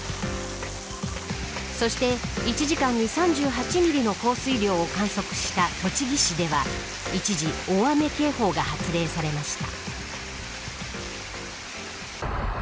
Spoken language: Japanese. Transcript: そして、１時間に３８ミリの降水量を観測した栃木市では、一時大雨警報が発令されました。